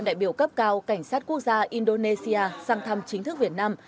đại biểu cấp cao cảnh sát quốc gia indonesia sang thăm chính thức việt nam